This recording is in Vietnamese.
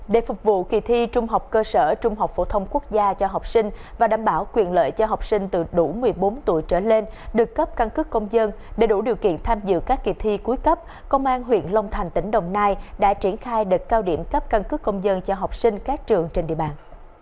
để phục vụ kỳ thi trung học cơ sở trung học phổ thông quốc gia cho học sinh và đảm bảo quyền lợi cho học sinh từ đủ một mươi bốn tuổi trở lên được cấp căn cước công dân để đủ điều kiện tham dự các kỳ thi cuối cấp công an huyện long thành tỉnh đồng nai đã triển khai đợt cao điểm cấp căn cước công dân cho học sinh các trường trên địa bàn